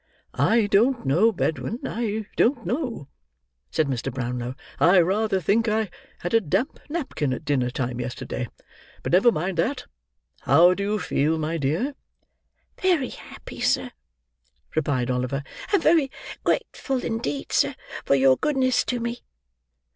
"I don't know, Bedwin. I don't know," said Mr. Brownlow; "I rather think I had a damp napkin at dinner time yesterday; but never mind that. How do you feel, my dear?" "Very happy, sir," replied Oliver. "And very grateful indeed, sir, for your goodness to me."